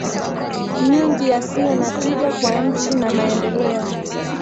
nyingi yasiyo na tija kwa nchi na maendeleo